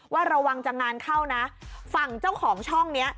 ว่าระวังจะงานเข้านะฝั่งเจ้าของช่องนี้